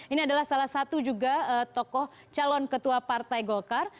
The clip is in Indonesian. ini adalah salah satu juga tokoh calon ketua partai golkar